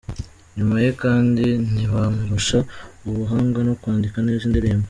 nyuma ye kandi ntibamurusha ubuhanga no kwandika neza indirimbo.